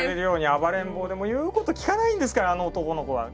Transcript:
暴れん坊でもう言うこと聞かないんですからあの男の子は。